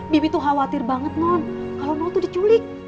bibi tuh khawatir banget non kalo non tuh diculik